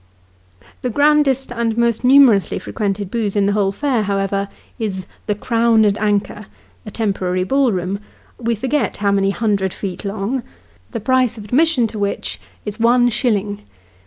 The grandest and most numerously frequented booth in the whole fair, however, is " the Crown and Anchor " a temporary ball room we forget how many hundred feet long, the price of admission to which is one shilling.